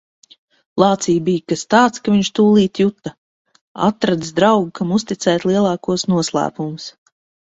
Lācī bija kas tāds, ka viņš tūlīt juta - atradis draugu, kam uzticēt lielākos noslēpumus.